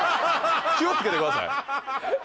気をつけてください！